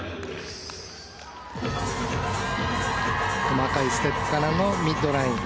細かいステップからのミッドライン。